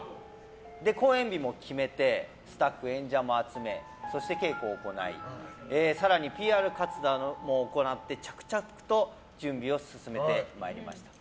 公演日も決めてスタッフ、演者も集め稽古を行い、更にＰＲ活動など着々と準備を進めていました。